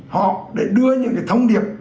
họ để đưa những cái thông điệp